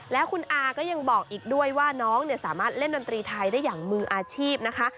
แล้วคุณอาก็ยังบอกอีกด้วยว่าน้องสามารถเล่นดนตรีไทยได้อย่างมืออาชีพนะคะ